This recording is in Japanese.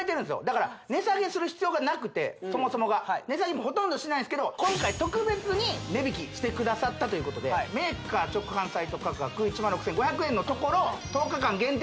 だから値下げする必要がなくてそもそもが値下げもほとんどしないんですけど今回特別に値引きしてくださったということでメーカー直販サイト価格１６５００円のところ１０日間限定